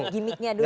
gimiknya dulu ya